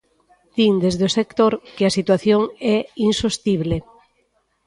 Din desde o sector que a situación é insostible.